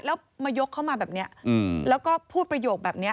แล้วมายกเข้ามาแบบนี้แล้วก็พูดประโยคแบบนี้